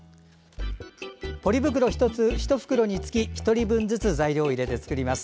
ポリ袋１袋につき１人分ずつ材料を入れて作ります。